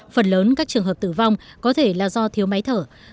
phần lớn các trường hợp tử vong có thể là do thiếu máy thở